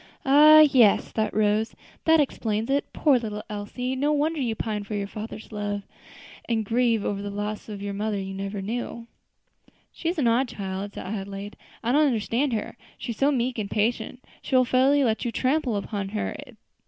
"Ah! yes," thought Rose, "that explains it. Poor little Elsie! No wonder you pine for your father's love, and grieve over the loss of the mother you never knew!" "She is an odd child," said Adelaide; "I don't understand her; she is so meek and patient she will fairly let you trample upon her.